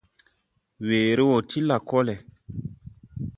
Weere wɔ ti lakɔlɛ.